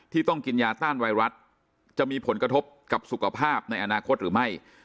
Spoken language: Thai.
ต้องกินยาต้านไวรัสจะมีผลกระทบกับสุขภาพในอนาคตหรือไม่